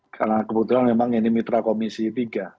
karena kebetulan memang ini mitra komisi tiga